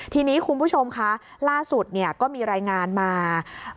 ทีนี้คุณผู้ชมคะล่าสุดเนี่ยก็มีรายงานมา